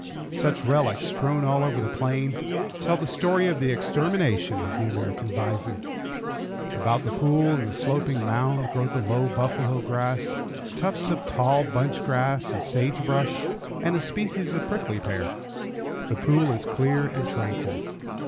Such relics, strewn all over the plain, tell the story of the extermination of the American bison. About the pool and the sloping mound grow the low buffalo grass, tufts of tall bunch grass and sage brush, and a species of prickly pear. The pool is clear and tranquil.